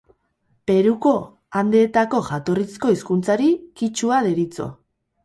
Peruko Andeetako jatorrizko hizkuntzari kitxua deritzo.